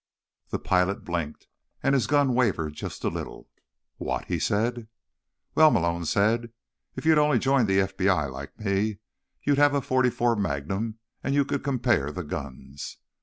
The pilot blinked, and his gun wavered just a little. "What?" he said. "Well," Malone said, "if you'd only join the FBI, like me, you'd have a .44 Magnum, and you could compare the guns."